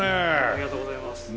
ありがとうございます。